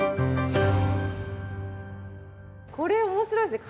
これ面白いですね。